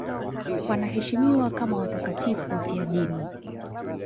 Wanaheshimiwa kama watakatifu wafiadini.